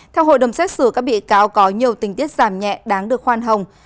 theo hội đồng xét xử các bị cáo có nhiều tình tiết giảm nhẹ đáng được khoan hồng